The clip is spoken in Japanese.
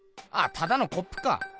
ただのコップか。